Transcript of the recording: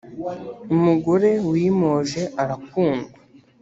umugore wimoje arakundwa